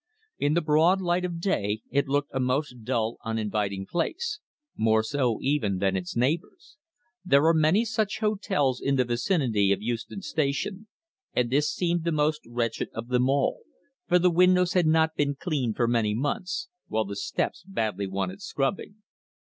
In the broad light of day it looked a most dull, uninviting place; more so even than its neighbours. There are many such hotels in the vicinity of Euston Station, and this seemed the most wretched of them all, for the windows had not been cleaned for many months, while the steps badly wanted scrubbing.